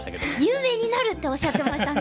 「有名になる！」っておっしゃってましたね。